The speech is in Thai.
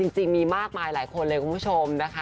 จริงมีมากมายหลายคนเลยคุณผู้ชมนะคะ